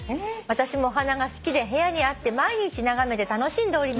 「私もお花が好きで部屋にあって毎日眺めて楽しんでおります」